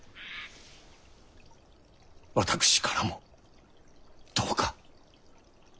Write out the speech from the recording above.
私からもどうか。